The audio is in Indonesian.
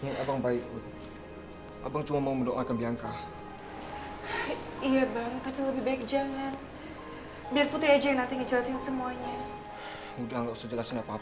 gak mau bang putri mau ngejelasin semuanya